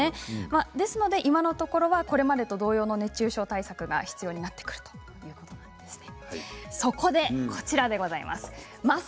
ですので今のところはこれまでと同様の熱中症対策が必要になってくるということなんです。